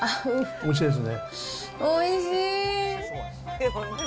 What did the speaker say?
おいしい。ですね。